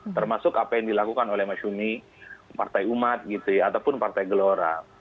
termasuk apa yang dilakukan oleh masyumi partai umat gitu ya ataupun partai gelora